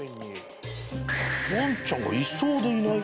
ワンちゃんがいそうでいない。